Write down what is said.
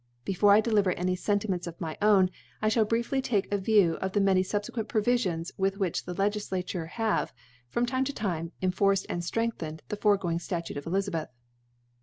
Before I deliver any Senti ments of my own, I (hall briefly take a View of the many fubfcquent Provifions with which the Ltgiflacure have from Time to Time enforced and ftrengthened the fore going Statute of Elizabeth.